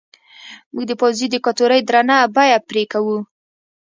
موږ د پوځي دیکتاتورۍ درنه بیه پرې کوو.